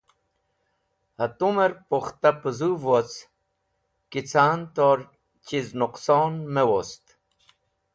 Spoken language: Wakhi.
Hatumẽr pukhta pẽzuv woc ki can tor chiz nẽqson me wost